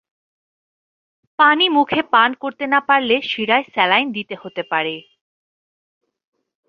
পানি মুখে পান করতে না পারলে শিরায় স্যালাইন দিতে হতে পারে।